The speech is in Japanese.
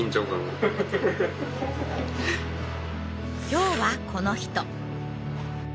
今日はこの人。